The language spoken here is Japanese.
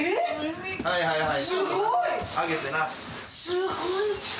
すごい力。